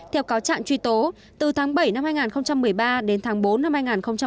theo cáo trạng truy tố từ tháng bảy năm hai nghìn một mươi ba đến tháng bốn năm hai nghìn một mươi bảy